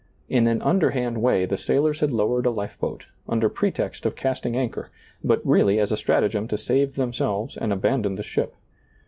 In an underhand way the sailors had lowered a life boat, under pretext of casting anchor, but really as a stratagem to save themselves and abandon the ship.